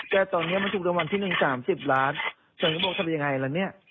ตอนนี้มันถูกรางวัลที่หนึ่งสามสิบล้านฉันก็บอกทำยังไงล่ะเนี่ย